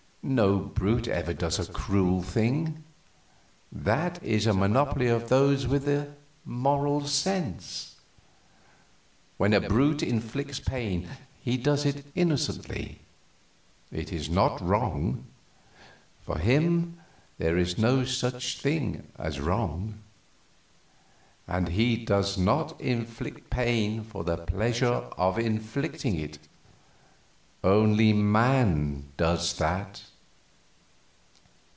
No brute ever does a cruel thing that is the monopoly of those with the Moral Sense. When a brute inflicts pain he does it innocently; it is not wrong; for him there is no such thing as wrong. And he does not inflict pain for the pleasure of inflicting it only man does that.